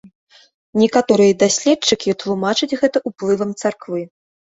Некаторыя даследчыкі тлумачаць гэта ўплывам царквы.